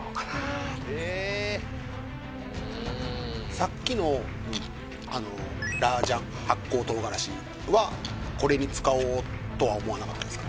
さっきのあのラー醤発酵唐辛子はこれに使おうとは思わなかったですか？